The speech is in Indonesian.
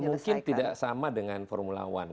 mungkin tidak sama dengan formula one